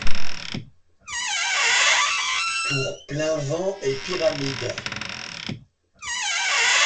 Pour plein vent et pyramide.